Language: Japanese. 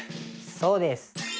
そうです。